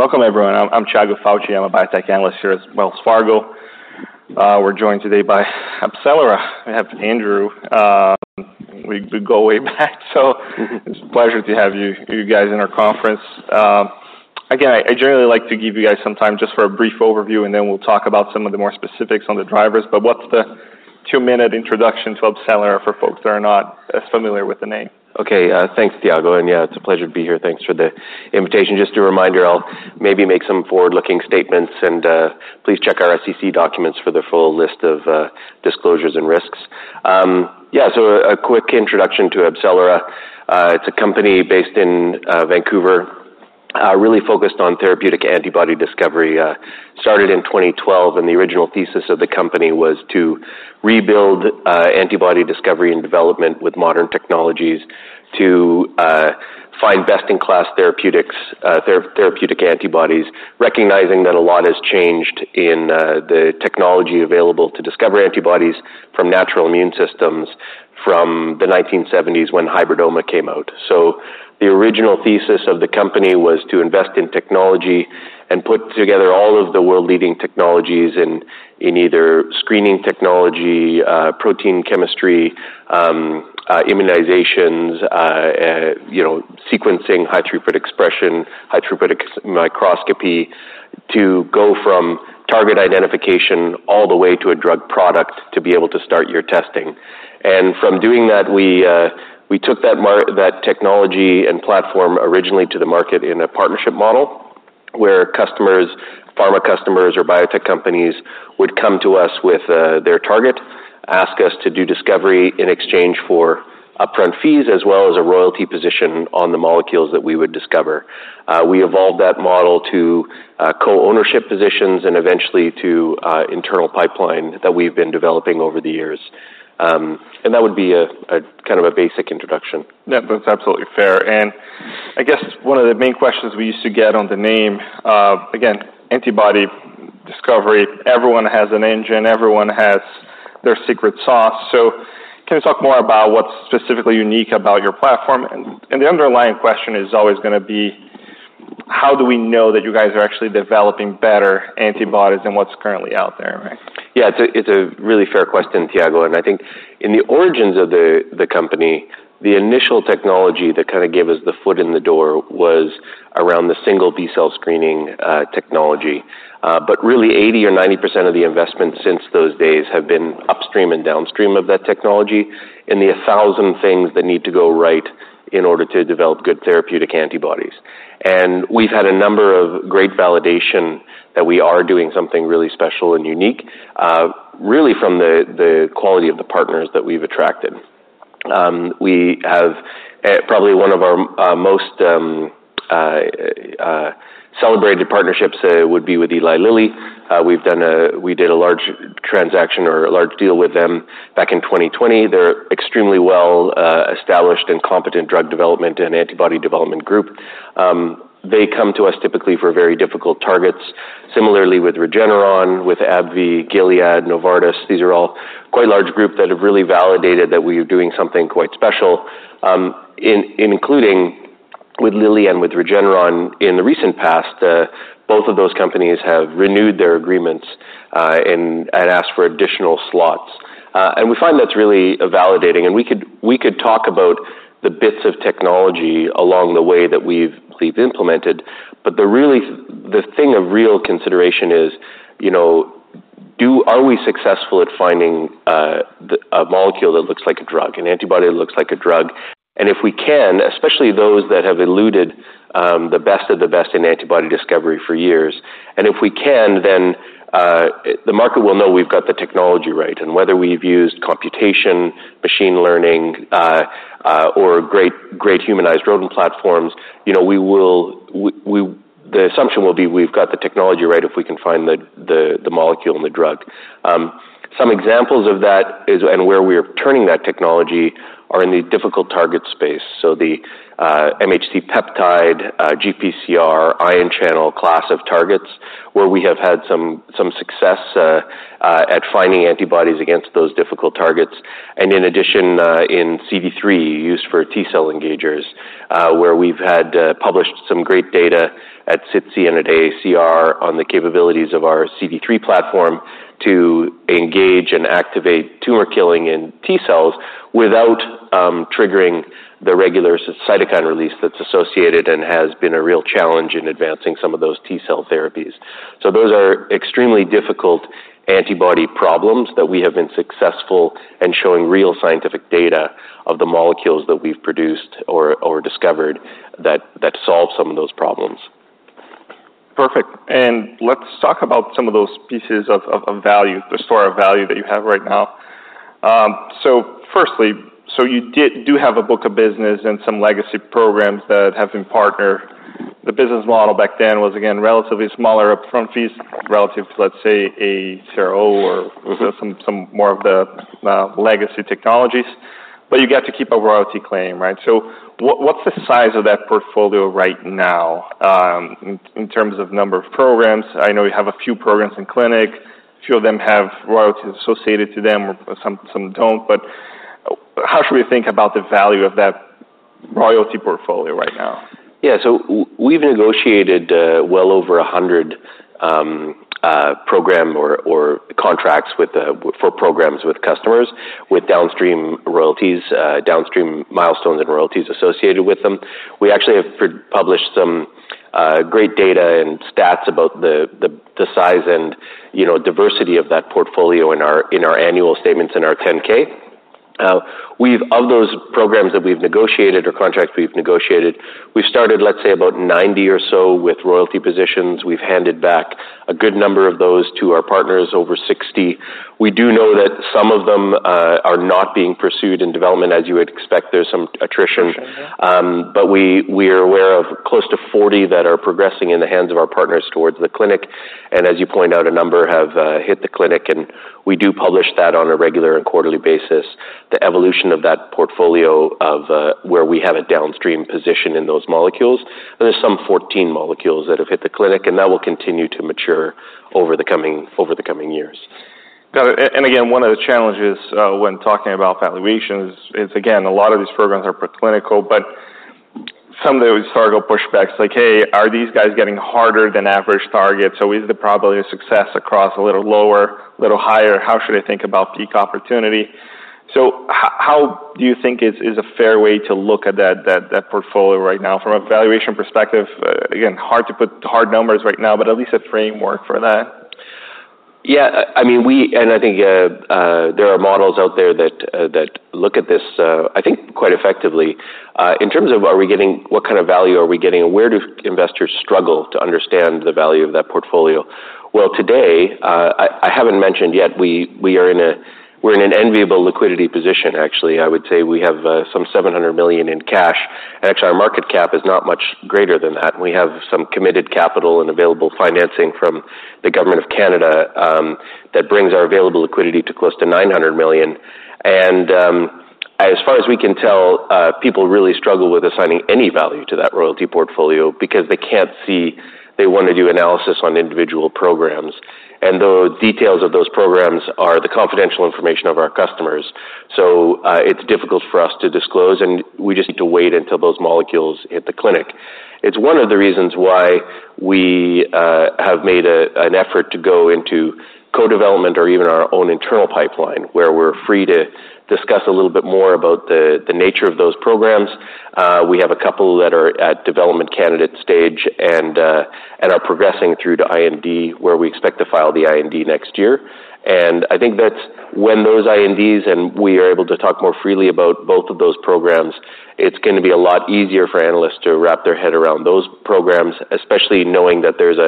...Welcome, everyone. I'm Tiago Fauth. I'm a biotech analyst here at Wells Fargo. We're joined today by AbCellera. We have Andrew. We go way back, so it's a pleasure to have you guys in our conference. Again, I generally like to give you guys some time just for a brief overview, and then we'll talk about some of the more specifics on the drivers. What's the two-minute introduction to AbCellera for folks that are not as familiar with the name? Okay, thanks, Tiago, and, yeah, it's a pleasure to be here. Thanks for the invitation. Just a reminder, I'll maybe make some forward-looking statements, and, please check our SEC documents for the full list of, disclosures and risks. Yeah, so a quick introduction to AbCellera. It's a company based in, Vancouver, really focused on therapeutic antibody discovery. Started in 2012, and the original thesis of the company was to rebuild, antibody discovery and development with modern technologies to, find best-in-class therapeutics, therapeutic antibodies, recognizing that a lot has changed in, the technology available to discover antibodies from natural immune systems from the 1970s, when hybridoma came out. So the original thesis of the company was to invest in technology and put together all of the world-leading technologies in either screening technology, protein chemistry, immunizations, you know, sequencing, high-throughput expression, high-throughput microscopy, to go from target identification all the way to a drug product to be able to start your testing. And from doing that, we took that technology and platform originally to the market in a partnership model, where customers, pharma customers, or biotech companies would come to us with their target, ask us to do discovery in exchange for upfront fees, as well as a royalty position on the molecules that we would discover. We evolved that model to co-ownership positions and eventually to internal pipeline that we've been developing over the years. And that would be a kind of basic introduction. Yeah, that's absolutely fair. And I guess one of the main questions we used to get on the name, again, antibody discovery, everyone has an engine, everyone has their secret sauce, so can you talk more about what's specifically unique about your platform? And the underlying question is always gonna be: How do we know that you guys are actually developing better antibodies than what's currently out there, right? Yeah, it's a really fair question, Tiago, and I think in the origins of the company, the initial technology that kind of gave us the foot in the door was around the single B-cell screening technology. Really, 80% or 90% of the investment since those days have been upstream and downstream of that technology, in the a thousand things that need to go right in order to develop good therapeutic antibodies. And we've had a number of great validation that we are doing something really special and unique, really from the quality of the partners that we've attracted. We have probably one of our most celebrated partnerships would be with Eli Lilly. We did a large transaction or a large deal with them back in 2020. They're extremely well established and competent drug development and antibody development group. They come to us typically for very difficult targets. Similarly, with Regeneron, with AbbVie, Gilead, Novartis, these are all quite a large group that have really validated that we are doing something quite special. Including with Lilly and with Regeneron, in the recent past, both of those companies have renewed their agreements and asked for additional slots, and we find that's really validating, and we could talk about the bits of technology along the way that we've implemented, but the really... The thing of real consideration is, you know, are we successful at finding a molecule that looks like a drug, an antibody that looks like a drug? And if we can, especially those that have eluded the best of the best in antibody discovery for years, and if we can, then the market will know we've got the technology right. Whether we've used computation, machine learning, or great, great humanized rodent platforms, you know, we will. We, the assumption will be, we've got the technology right if we can find the molecule and the drug. Some examples of that is, and where we are turning that technology, are in the difficult target space. So the MHC peptide, GPCR, ion channel class of targets, where we have had some success at finding antibodies against those difficult targets. And in addition, in CD3, used for T-cell engagers, where we've had published some great data at SITC and at AACR on the capabilities of our CD3 platform to engage and activate tumor killing in T-cells without triggering the regular cytokine release that's associated and has been a real challenge in advancing some of those T-cell therapies. So those are extremely difficult antibody problems that we have been successful in showing real scientific data of the molecules that we've produced or discovered, that solve some of those problems. Perfect. Let's talk about some of those pieces of value, the store of value that you have right now. So firstly, you do have a book of business and some legacy programs that have been partnered. The business model back then was, again, relatively smaller upfront fees relative to, let's say, a CRO or some more of the legacy technologies, but you get to keep a royalty claim, right? So what's the size of that portfolio right now, in terms of number of programs? I know you have a few programs in clinic. A few of them have royalties associated to them, or some don't. How should we think about the value of that royalty portfolio right now? Yeah, so we've negotiated well over 100 program or contracts with for programs with customers, with downstream royalties, downstream milestones and royalties associated with them. We actually have published some great data and stats about the size and, you know, diversity of that portfolio in our annual statements in our 10-K. Of those programs that we've negotiated or contracts we've negotiated, we've started, let's say, about 90 or so with royalty positions. We've handed back a good number of those to our partners, over 60. We do know that some of them are not being pursued in development, as you would expect. There's some attrition. Yeah. But we are aware of close to forty that are progressing in the hands of our partners towards the clinic, and as you point out, a number have hit the clinic, and we do publish that on a regular and quarterly basis. The evolution of that portfolio of where we have a downstream position in those molecules, and there's some fourteen molecules that have hit the clinic, and that will continue to mature over the coming years. Got it. And again, one of the challenges when talking about valuations is, again, a lot of these programs are preclinical, but some of those sort of pushbacks, like, Hey, are these guys getting harder than average targets? So is the probability of success across a little lower, a little higher? How should I think about peak opportunity? So how do you think is a fair way to look at that portfolio right now from a valuation perspective? Again, hard to put hard numbers right now, but at least a framework for that. Yeah, I mean, we and I think there are models out there that look at this, I think quite effectively. In terms of are we getting what kind of value are we getting, and where do investors struggle to understand the value of that portfolio? Well, today, I haven't mentioned yet, we are in a we're in an enviable liquidity position, actually. I would say we have some $700 million in cash, and actually our market cap is not much greater than that. We have some committed capital and available financing from the Government of Canada, that brings our available liquidity to close to $900 million. And, as far as we can tell, people really struggle with assigning any value to that royalty portfolio because they can't see... They want to do analysis on individual programs, and the details of those programs are the confidential information of our customers. So, it's difficult for us to disclose, and we just need to wait until those molecules hit the clinic. It's one of the reasons why we have made an effort to go into co-development or even our own internal pipeline, where we're free to discuss a little bit more about the nature of those programs. We have a couple that are at development candidate stage and are progressing through to IND, where we expect to file the IND next year. And I think that's when those INDs and we are able to talk more freely about both of those programs. It's gonna be a lot easier for analysts to wrap their head around those programs, especially knowing that there's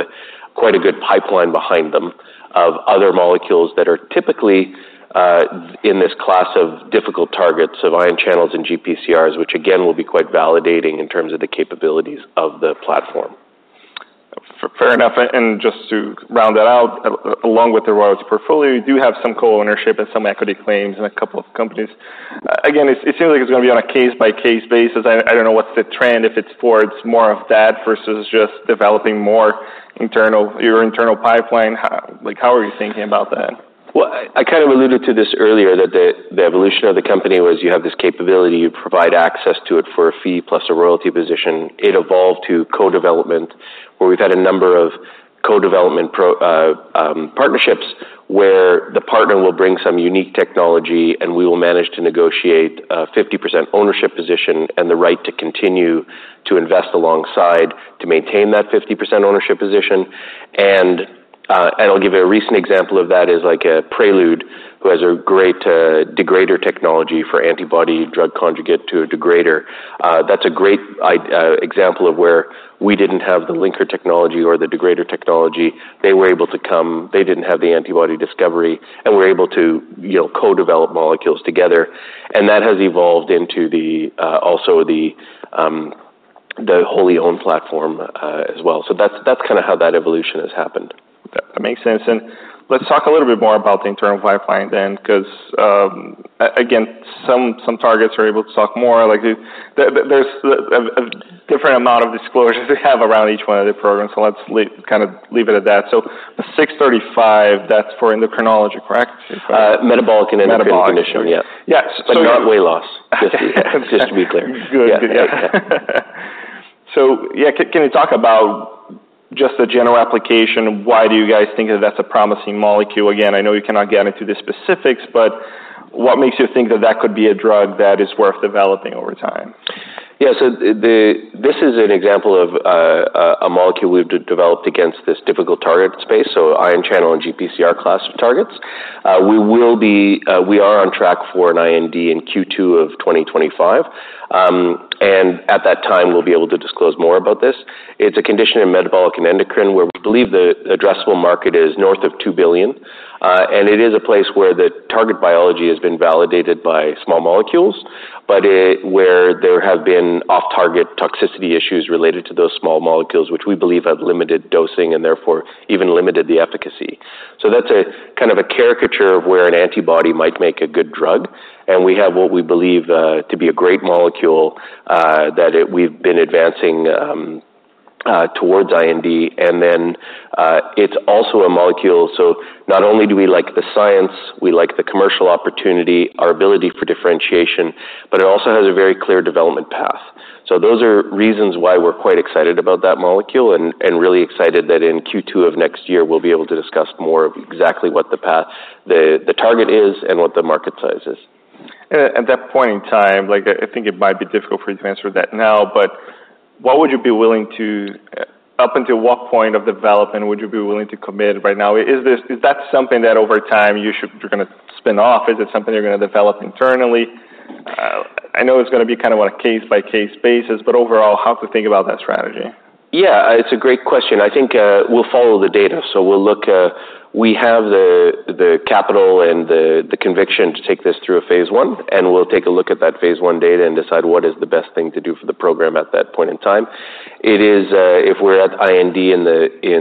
quite a good pipeline behind them of other molecules that are typically in this class of difficult targets, of ion channels and GPCRs, which again will be quite validating in terms of the capabilities of the platform. Fair enough. And just to round that out, along with the royalty portfolio, you do have some co-ownership and some equity claims in a couple of companies. Again, it seems like it's gonna be on a case-by-case basis. I don't know what's the trend, if it's towards more of that versus just developing more internal, your internal pipeline. How, like, how are you thinking about that? I kind of alluded to this earlier, that the evolution of the company was you have this capability, you provide access to it for a fee plus a royalty position. It evolved to co-development, where we've had a number of co-development partnerships, where the partner will bring some unique technology, and we will manage to negotiate a 50% ownership position and the right to continue to invest alongside to maintain that 50% ownership position. And I'll give you a recent example of that is, like, Prelude, who has a great degrader technology for antibody-drug conjugate to a degrader. That's a great example of where we didn't have the linker technology or the degrader technology. They were able to come. They didn't have the antibody discovery, and we're able to, you know, co-develop molecules together, and that has evolved into the wholly owned platform as well. So that's kind of how that evolution has happened. That makes sense. And let's talk a little bit more about the internal pipeline then, because, again, some targets are able to talk more, like there's a different amount of disclosure to have around each one of the programs, so let's kind of leave it at that. So the six thirty-five, that's for endocrinology, correct? Metabolic and endocrine condition. Metabolic. Yeah. Yes. But not weight loss. Just to be, just to be clear. Good. Yeah. So yeah, can you talk about just the general application? Why do you guys think that that's a promising molecule? Again, I know you cannot get into the specifics, but what makes you think that that could be a drug that is worth developing over time? Yeah, so the, this is an example of a molecule we've developed against this difficult target space, so ion channel and GPCR class targets. We are on track for an IND in Q2 of 2025. And at that time, we'll be able to disclose more about this. It's a condition in metabolic and endocrine, where we believe the addressable market is north of $2 billion. And it is a place where the target biology has been validated by small molecules, but where there have been off-target toxicity issues related to those small molecules, which we believe have limited dosing and therefore even limited the efficacy. So that's a kind of a caricature of where an antibody might make a good drug, and we have what we believe to be a great molecule that we've been advancing towards IND, and then it's also a molecule. So not only do we like the science, we like the commercial opportunity, our ability for differentiation, but it also has a very clear development path. So those are reasons why we're quite excited about that molecule and really excited that in Q2 of next year, we'll be able to discuss more of exactly what the path, the target is and what the market size is. At that point in time, like, I think it might be difficult for you to answer that now, but what would you be willing to up until what point of development would you be willing to commit right now? Is this, is that something that over time you should, you're gonna spin off? Is it something you're gonna develop internally? I know it's gonna be kind of on a case-by-case basis, but overall, how to think about that strategy? Yeah, it's a great question. I think we'll follow the data, so we'll look. We have the capital and the conviction to take this through a phase one, and we'll take a look at that phase one data and decide what is the best thing to do for the program at that point in time. It is, if we're at IND in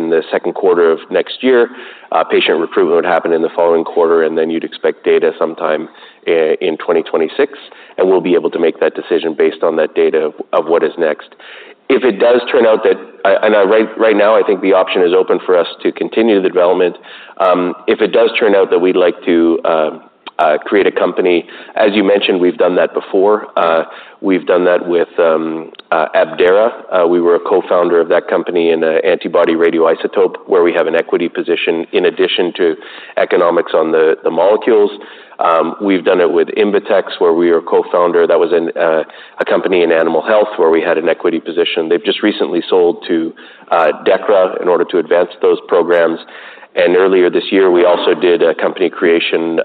the second quarter of next year, patient recruitment would happen in the following quarter, and then you'd expect data sometime in twenty twenty-six, and we'll be able to make that decision based on that data of what is next. If it does turn out that... right now, I think the option is open for us to continue the development. If it does turn out that we'd like to create a company, as you mentioned, we've done that before. We've done that with Abdera. We were a co-founder of that company in a antibody radioisotope, where we have an equity position in addition to economics on the molecules. We've done it with Invetx, where we were a co-founder. That was in a company in animal health, where we had an equity position. They've just recently sold to Dechra in order to advance those programs. And earlier this year, we also did a company creation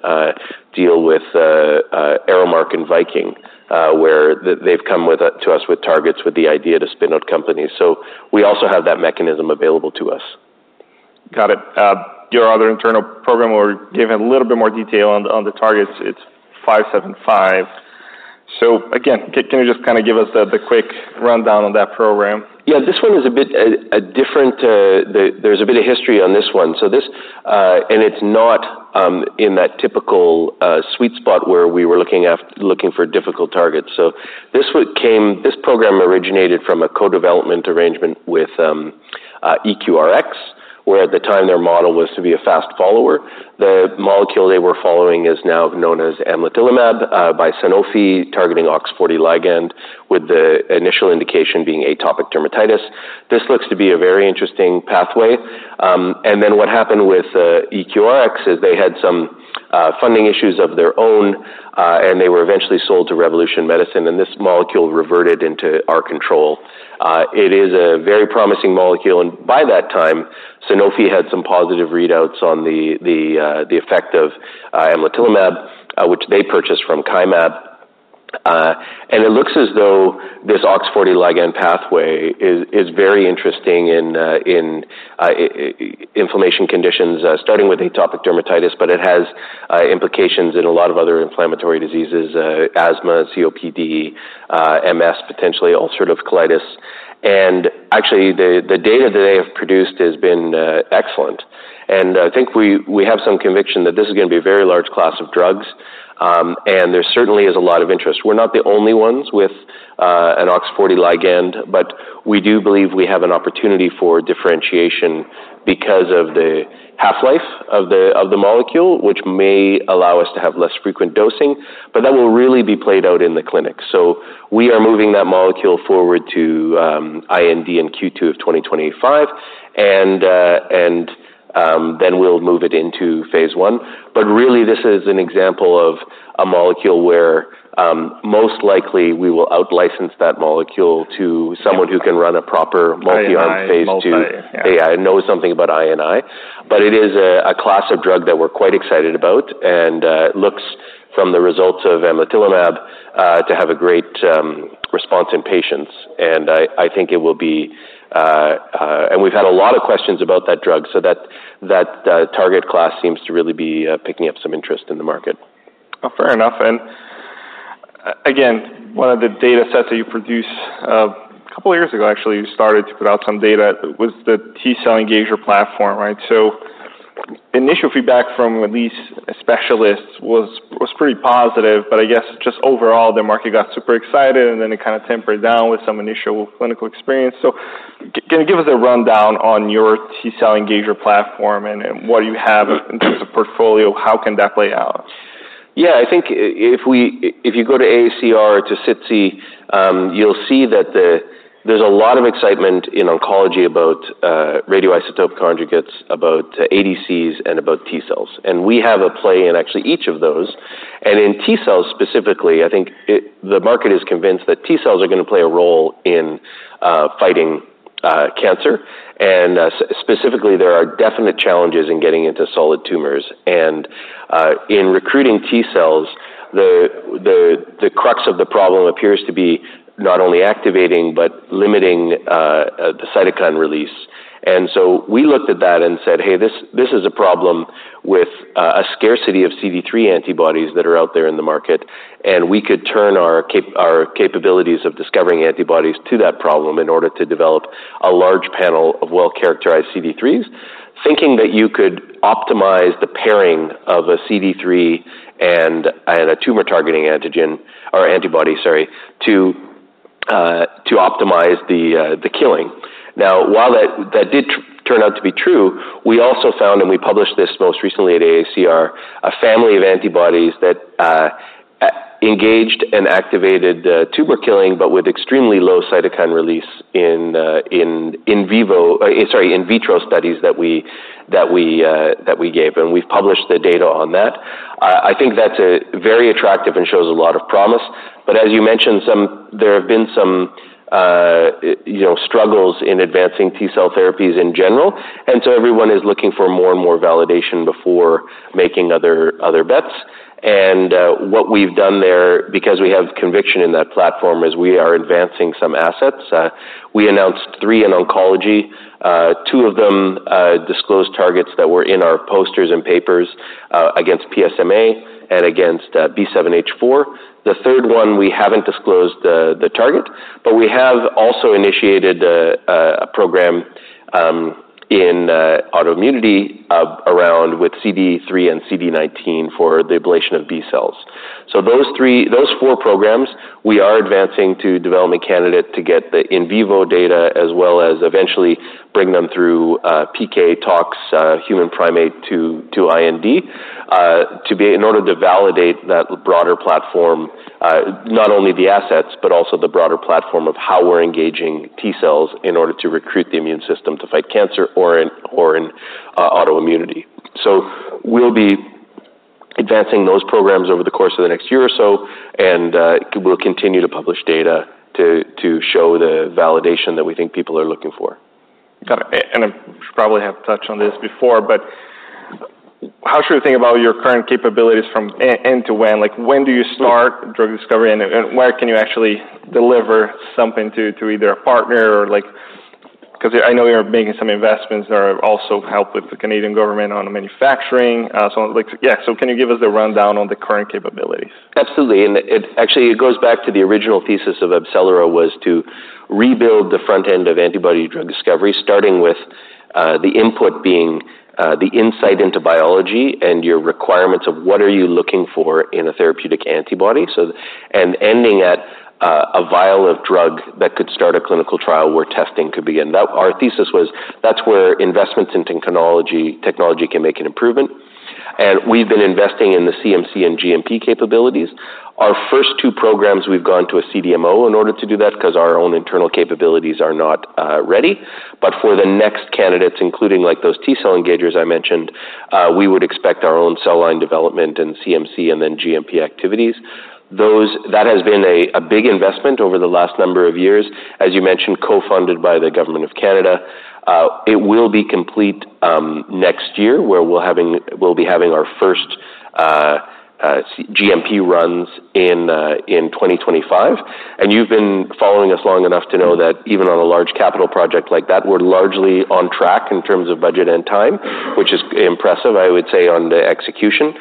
deal with ArrowMark and Viking, where they've come to us with targets, with the idea to spin out companies. So we also have that mechanism available to us. Got it. Your other internal program will give a little bit more detail on the targets. It's five seven five. So again, can you just give us the quick rundown on that program? Yeah, this one is a bit different. There's a bit of history on this one. So this and it's not in that typical sweet spot where we were looking for difficult targets. So this one came. This program originated from a co-development arrangement with EQRx, where at the time, their model was to be a fast follower. The molecule they were following is now known as amlitelimab by Sanofi, targeting OX40 ligand, with the initial indication being atopic dermatitis. This looks to be a very interesting pathway. And then what happened with EQRx is they had some funding issues of their own, and they were eventually sold to Revolution Medicines, and this molecule reverted into our control. It is a very promising molecule, and by that time, Sanofi had some positive readouts on the effect of amlitelimab, which they purchased from Kymab. And it looks as though this OX40 ligand pathway is very interesting in inflammation conditions, starting with atopic dermatitis, but it has implications in a lot of other inflammatory diseases, asthma, COPD, MS, potentially ulcerative colitis. And actually, the data that they have produced has been excellent. And I think we have some conviction that this is gonna be a very large class of drugs, and there certainly is a lot of interest. We're not the only ones with an OX40 ligand, but we do believe we have an opportunity for differentiation because of the half-life of the molecule, which may allow us to have less frequent dosing, but that will really be played out in the clinic. So we are moving that molecule forward to IND in Q2 of twenty twenty-five, and then we'll move it into phase one. But really, this is an example of a molecule where most likely, we will outlicense that molecule to someone who can run a proper molecule on phase two. I&I, multi, yeah. Yeah, I know something about I&I, but it is a class of drug that we're quite excited about and looks from the results of amlitelimab to have a great response in patients. And I think it will be. And we've had a lot of questions about that drug, so that target class seems to really be picking up some interest in the market. Oh, fair enough. And again, one of the datasets that you produce, a couple of years ago, actually, you started to put out some data, was the T-cell engager platform, right? So initial feedback from at least specialists was pretty positive, but I guess just overall, the market got super excited, and then it kind of tempered down with some initial clinical experience. So can you give us a rundown on your T-cell engager platform and what you have in terms of portfolio, how can that play out? Yeah, I think if you go to AACR, to SITC, you'll see that there's a lot of excitement in oncology about radioisotope conjugates, about ADCs, and about T-cells. And we have a play in actually each of those. And in T-cells specifically, I think the market is convinced that T-cells are going to play a role in fighting cancer. And specifically, there are definite challenges in getting into solid tumors. And in recruiting T-cells, the crux of the problem appears to be not only activating, but limiting the cytokine release. And so we looked at that and said, "Hey, this is a problem with a scarcity of CD3 antibodies that are out there in the market, and we could turn our capabilities of discovering antibodies to that problem in order to develop a large panel of well-characterized CD3s." Thinking that you could optimize the pairing of a CD3 and a tumor-targeting antigen or antibody, sorry, to optimize the killing. Now, while that did turn out to be true, we also found, and we published this most recently at AACR, a family of antibodies that engaged and activated the tumor killing, but with extremely low cytokine release in the in vivo, sorry, in vitro studies that we gave, and we've published the data on that. I think that's very attractive and shows a lot of promise, but as you mentioned, there have been some, you know, struggles in advancing T-cell therapies in general, and so everyone is looking for more and more validation before making other bets. And what we've done there, because we have conviction in that platform, is we are advancing some assets. We announced three in oncology, two of them disclosed targets that were in our posters and papers, against PSMA and against B7-H4. The third one, we haven't disclosed the target, but we have also initiated a program in autoimmunity around with CD3 and CD19 for the ablation of B cells. So those three... Those four programs, we are advancing to development candidate to get the in vivo data, as well as eventually bring them through PK tox, non-human primate to IND. In order to validate that broader platform, not only the assets, but also the broader platform of how we're engaging T-cells in order to recruit the immune system to fight cancer or in autoimmunity. So we'll be advancing those programs over the course of the next year or so, and we'll continue to publish data to show the validation that we think people are looking for. Got it. And I probably have touched on this before, but how should we think about your current capabilities from end to end? Like, when do you start drug discovery, and where can you actually deliver something to either a partner or like... 'Cause I know you're making some investments that are also help with the Canadian government on the manufacturing. So, like, yeah. So can you give us a rundown on the current capabilities? Absolutely. And it actually, it goes back to the original thesis of AbCellera was to rebuild the front end of antibody drug discovery, starting with, the input being, the insight into biology and your requirements of what are you looking for in a therapeutic antibody. So, and ending at, a vial of drug that could start a clinical trial where testing could begin. Now, our thesis was that's where investments in technology can make an improvement, and we've been investing in the CMC and GMP capabilities. Our first two programs, we've gone to a CDMO in order to do that, 'cause our own internal capabilities are not, ready. But for the next candidates, including, like, those T-cell engagers I mentioned, we would expect our own cell line development and CMC and then GMP activities. Those... That has been a big investment over the last number of years. As you mentioned, co-funded by the Government of Canada. It will be complete next year, we'll be having our first cGMP runs in 2025, and you've been following us long enough to know that even on a large capital project like that, we're largely on track in terms of budget and time, which is impressive, I would say, on the execution,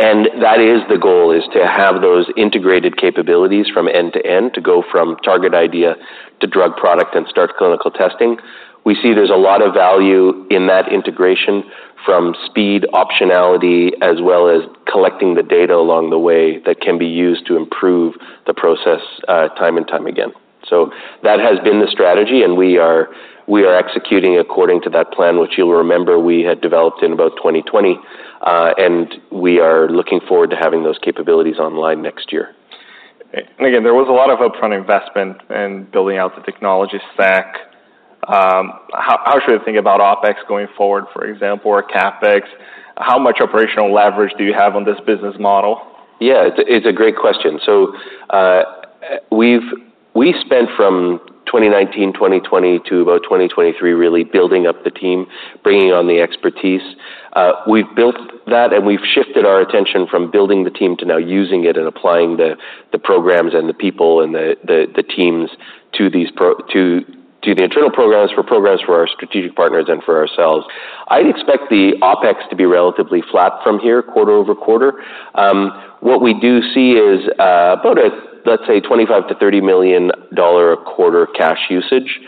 and that is the goal, is to have those integrated capabilities from end to end, to go from target idea to drug product and start clinical testing. We see there's a lot of value in that integration from speed, optionality, as well as collecting the data along the way that can be used to improve the process time and time again. So that has been the strategy, and we are executing according to that plan, which you'll remember we had developed in about 2020, and we are looking forward to having those capabilities online next year. And again, there was a lot of upfront investment in building out the technology stack. How should we think about OpEx going forward, for example, or CapEx? How much operational leverage do you have on this business model? Yeah, it's a great question. So, we've spent from 2019, 2020 to about 2023, really building up the team, bringing on the expertise. We've built that, and we've shifted our attention from building the team to now using it and applying the programs and the people and the teams to the internal programs, for programs for our strategic partners and for ourselves. I'd expect the OpEx to be relatively flat from here, quarter-over-quarter. What we do see is about a, let's say, $25-$30 million a quarter cash usage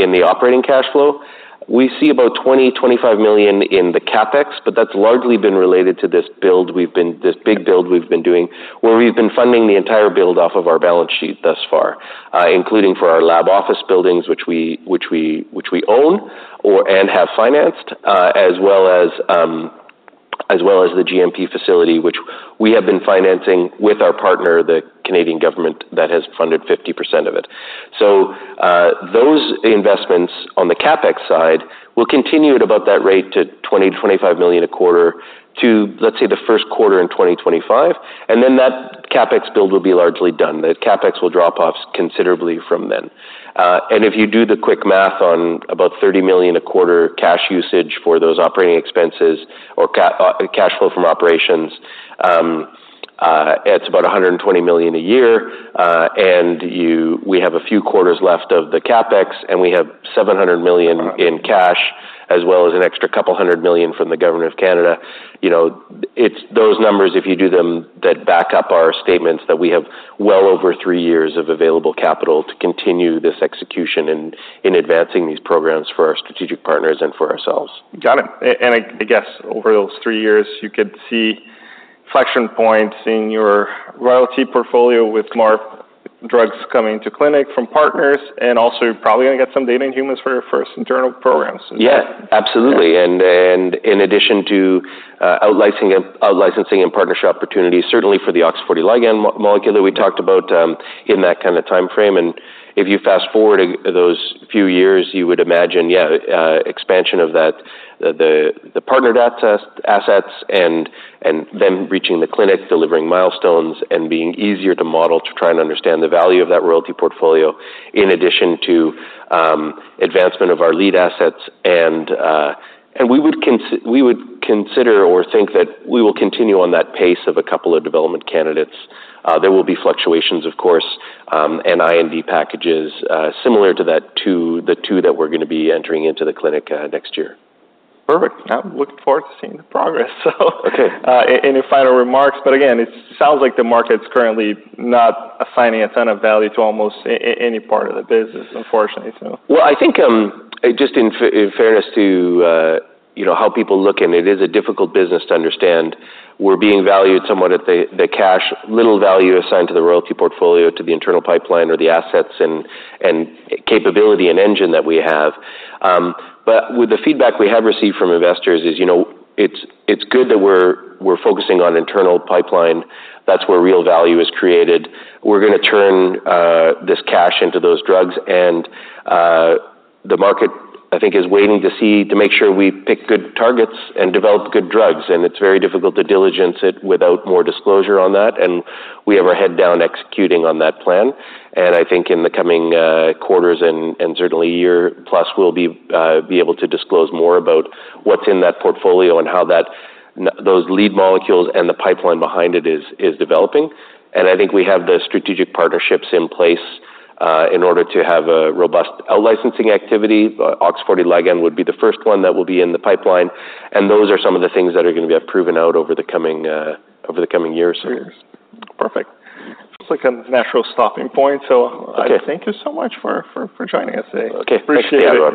in the operating cash flow. We see about $20-25 million in the CapEx, but that's largely been related to this big build we've been doing, where we've been funding the entire build off of our balance sheet thus far. Including for our lab office buildings, which we own or have financed, as well as the GMP facility, which we have been financing with our partner, the Canadian government, that has funded 50% of it. So, those investments on the CapEx side will continue at about that rate to $20-25 million a quarter to, let's say, the first quarter in 2025, and then that CapEx build will be largely done. The CapEx will drop off considerably from then. and if you do the quick math on about $30 million a quarter cash usage for those operating expenses or cash flow from operations, it's about $120 million a year, and we have a few quarters left of the CapEx, and we have $700 million in cash, as well as an extra couple hundred million from the Government of Canada. You know, It's those numbers, if you do them, that back up our statements, that we have well over three years of available capital to continue this execution in, in advancing these programs for our strategic partners and for ourselves. Got it. And, and I guess over those three years, you could see inflection points in your royalty portfolio with more drugs coming to clinic from partners, and also you're probably gonna get some data in humans for your first internal programs. Yes, absolutely, and in addition to out-licensing and partnership opportunities, certainly for the OX40 ligand molecule that we talked about in that kind of timeframe, and if you fast-forward those few years, you would imagine expansion of the partnered assets and them reaching the clinic, delivering milestones, and being easier to model to try and understand the value of that royalty portfolio, in addition to advancement of our lead assets, and we would consider or think that we will continue on that pace of a couple of development candidates, there will be fluctuations, of course, and IND packages similar to the two that we're gonna be entering into the clinic next year. Perfect. I'm looking forward to seeing the progress. So- Okay. Any final remarks? But again, it sounds like the market's currently not assigning a ton of value to almost any part of the business, unfortunately, so. I think, just in fairness to, you know, how people look, and it is a difficult business to understand, we're being valued somewhat at the, the cash, little value assigned to the royalty portfolio, to the internal pipeline or the assets and, and capability and engine that we have, but with the feedback we have received from investors is, you know, it's, it's good that we're, we're focusing on internal pipeline. That's where real value is created. We're gonna turn this cash into those drugs, and the market, I think, is waiting to see, to make sure we pick good targets and develop good drugs, and it's very difficult to diligence it without more disclosure on that, and we have our head down executing on that plan. And I think in the coming quarters and certainly year plus, we'll be able to disclose more about what's in that portfolio and how that those lead molecules and the pipeline behind it is developing. And I think we have the strategic partnerships in place in order to have a robust out-licensing activity. OX40 ligand would be the first one that will be in the pipeline, and those are some of the things that are gonna be proven out over the coming years. Perfect. Looks like a natural stopping point. Okay. So I thank you so much for joining us today. Okay. Appreciate it.